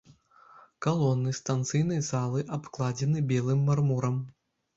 Калоны станцыйнай залы абкладзены белым мармурам.